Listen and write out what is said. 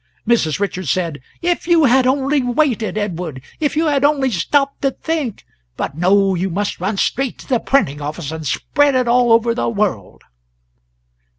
Mrs. Richards said: "If you had only waited, Edward if you had only stopped to think; but no, you must run straight to the printing office and spread it all over the world."